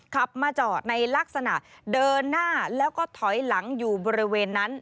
ขับมาจอดในลักษณะเดินหน้าแล้วก็ถอยหลังอยู่บริเวณนั้น